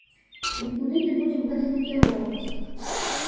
Нікуды не будзем гэта накіроўваць.